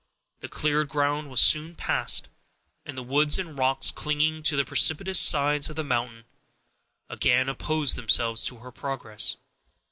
The cleared ground was soon past, and woods and rocks, clinging to the precipitous sides of the mountain, again opposed themselves to her progress.